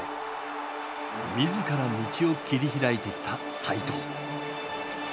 自ら道を切り開いてきた齋藤。